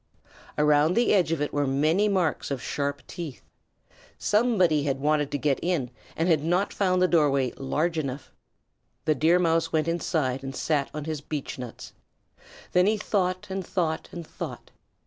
Around the edge of it were many marks of sharp teeth. Somebody had wanted to get in and had not found the doorway large enough. The Deer Mouse went inside and sat on his beechnuts. Then he thought and thought and thought.